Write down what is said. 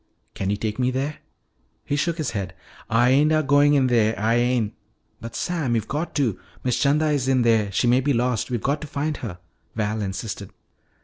"Can you take me there?" He shook his head. "Ah ain' a goin' in dere, Ah ain'!" "But, Sam, you've got to! Miss 'Chanda is in there. She may be lost. We've got to find her!" Val insisted.